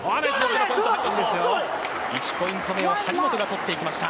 １ポイント目を張本が取っていきました。